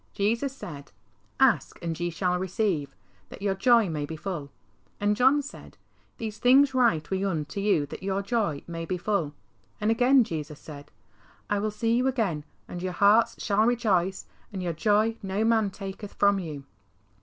Jesus said, " Ask, and ye shall receive, that your joy may be full." And John said, "These things write we unto you that your joy may be full." And again Jesus said, " I will see you again, and your hearts shall rejoice, and your joy no man taketh from you."